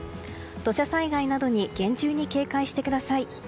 土砂災害に厳重に警戒してください。